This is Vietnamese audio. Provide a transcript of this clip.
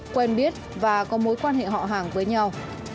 quen biết và có mối quan hệ họ hàng với nhau